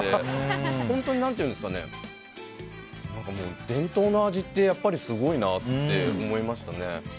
本当に伝統の味ってすごいなと思いましたね。